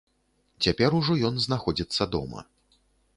Цяпер ужо ён знаходзіцца дома.